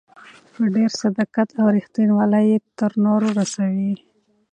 په ډېر صداقت او ريښتينوالۍ يې تر نورو رسوي.